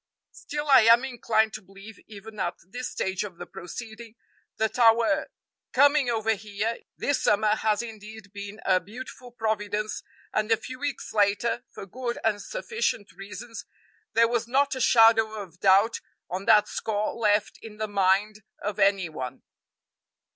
Still I am inclined to believe, even at this stage of the proceeding, that our coming over here this summer has indeed been a beautiful providence and a few weeks later, for good and sufficient reasons, there was not a shadow of doubt on that score left in the mind of any one."